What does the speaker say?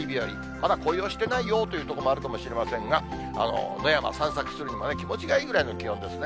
まだ紅葉してないよという所もあるかもしれませんが、野山散策するのが気持ちいいくらいの気温ですね。